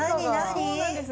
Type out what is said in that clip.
そうなんです。